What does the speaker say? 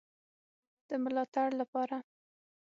د ملاتړ لپاره